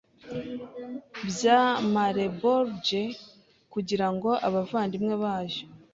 Bya Malebolge kugirango abavandimwe bayo